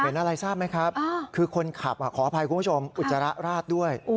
เหมือนอะไรทราบไหมครับคือคนขับอ่ะขออภัยคุณผู้ชมวูธรร้าดด้วย